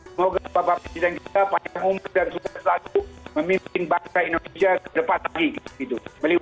semoga pak jensa panjang umur dan suatu memimpin bahasa indonesia ke depan gitu